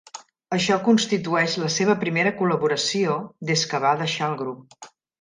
Això constitueix la seva primera col·laboració des que va deixar el grup.